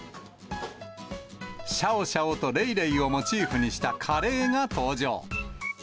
シャオシャオとレイレイをモチーフにしたカレーが登場。